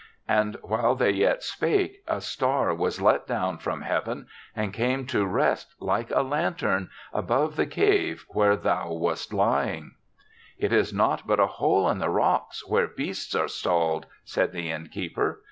*' And while they yet spake, a star was let down from heaven and came to rest like a lantern above the cave where thou wast lying. THE SEVENTH CHRISTMAS 37 " 'It is naught but a hole in the rocks where beasts are stalled/ said the innkeeper.